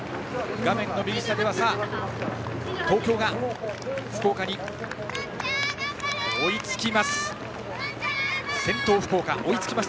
画面の右下では東京が福岡に追いつきました。